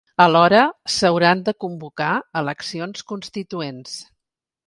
Alhora, s’hauran de convocar eleccions constituents.